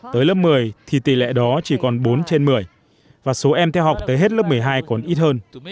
tới lớp một mươi thì tỷ lệ đó chỉ còn bốn trên một mươi và số em theo học tới hết lớp một mươi hai còn ít hơn